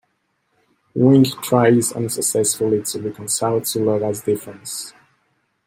Wing tries unsuccessfully to reconcile the two lovers' difference.